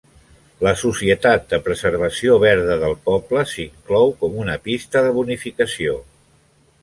"La societat de preservació verda del poble" s'inclou com una pista de bonificació.